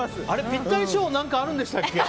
ピッタリ賞何かあるんでしたっけ？